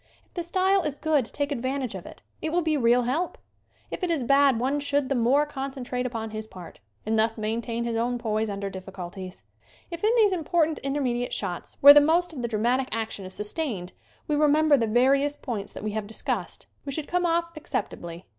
If the style is good take advantage of it. It will be real help. If it is bad one should the more concentrate upon his part and thus maintain his own poise under diffculties. If in these important intermediate shots where the most of the dramatic action is sus tained we remember the various points that we have discussed we should come off acceptably.